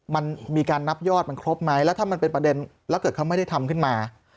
มันมีการนับยอดมันครบไหมแล้วถ้ามันเป็นประเด็นแล้วเกิดเขาไม่ได้ทำขึ้นมา